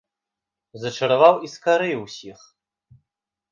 Зачараваў і скарыў усіх!